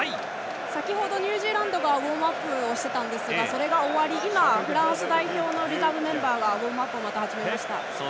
先程ニュージーランドがウォームアップをしていたんですがそれが終わり、フランス代表のリザーブメンバーがウォームアップを始めました。